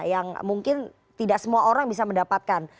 yang mungkin tidak semua orang bisa mendapatkan